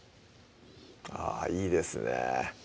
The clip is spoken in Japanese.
あぁいいですね